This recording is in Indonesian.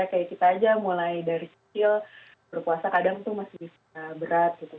seperti kita saja mulai dari kecil berpuasa kadang itu masih berat gitu